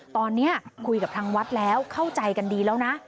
ตอนนี้คุยกับทางวัดแล้วเข้าใจกันดีแล้วนะ